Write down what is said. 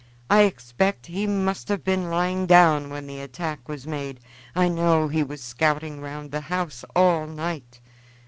I expect he must have been lying down when the attack was made. I know he was scouting round the house all night.